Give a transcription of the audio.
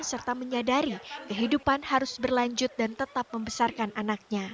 serta menyadari kehidupan harus berlanjut dan tetap membesarkan anaknya